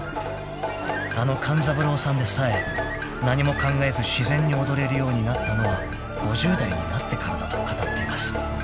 ［あの勘三郎さんでさえ何も考えず自然に踊れるようになったのは５０代になってからだと語っています］